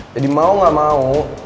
jadi mau gak mau